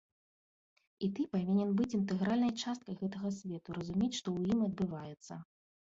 І ты павінен быць інтэгральнай часткай гэтага свету, разумець, што ў ім адбываецца.